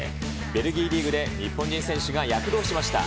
ベルギーリーグで日本人選手が躍動しました。